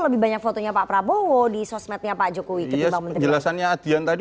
lebih banyak fotonya pak prabowo di sosmednya pak jokowi ketimbang menteri penjelasannya adian tadi